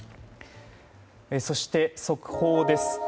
そして、速報です。